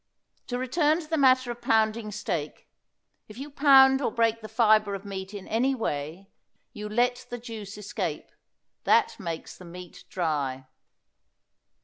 To return to the matter of pounding steak: If you pound or break the fibre of meat in any way you let the juice escape; that makes the meat dry.